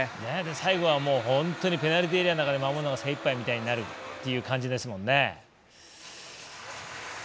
最後はペナルティーエリアの中で守るのが精いっぱいみたいになるっていう感じですもんね。